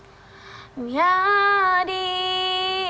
telah nggak sih lu ngerti kan